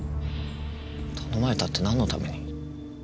頼まれたって何のために？